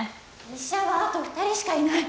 医者はあと２人しかいない。